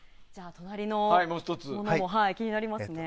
隣のものも気になりますね。